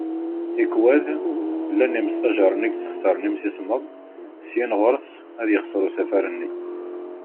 Tikwal, llan yimestjaren i yessexsayen imsismeḍ, syin ɣer-s, ad yexser usafar-nni.